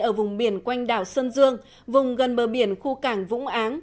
ở vùng biển quanh đảo sơn dương vùng gần bờ biển khu cảng vũng áng